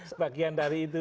sebagian dari itu